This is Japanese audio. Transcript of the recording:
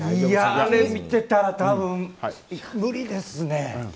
いや、あれ見てたら多分、無理ですね。